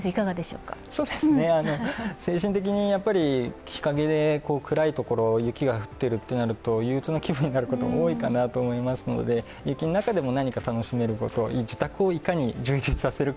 精神的に日陰で暗いところ、雪が降っているとなると、ゆううつな気分になることが多いと思いますので雪の中でも何か楽しめること時間をいかに充実させるか